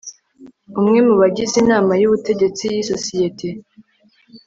Umwe mu bagize Inama y Ubutegetsi y isosiyete